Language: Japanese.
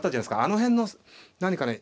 あの辺の何かね